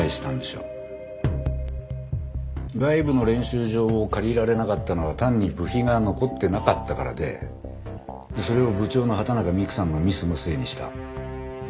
外部の練習場を借りられなかったのは単に部費が残ってなかったからでそれを部長の畑中美玖さんのミスのせいにした。ね？